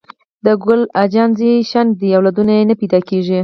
د ګل اجان زوی شنډ دې اولادونه یي نه پیداکیږي